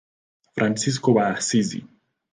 Fransisko wa Asizi.